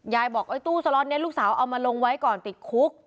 ยายบอกตู้สล็อตนี้ลูกสาวเอามาลงไว้ก่อนติดคุก